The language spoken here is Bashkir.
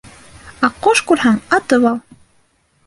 Аҡҡош күрһәң, атып ал